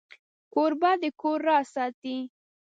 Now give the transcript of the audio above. کوربه د کور راز ساتي.